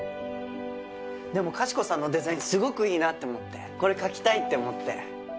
でもかしこさんのデザインすごくいいなって思ってこれ描きたいって思って。